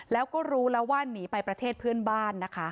แล้วก็รู้แล้วว่าหนีไปประเทศเพื่อนบ้านนะคะ